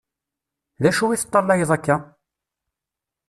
D acu i teṭallayeḍ akka?